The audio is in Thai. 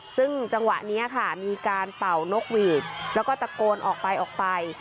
ซึ่งจังหวะนี้ค่ะมีการเป่านกหวีดแล้วก็ตะโกนออกไปออกไป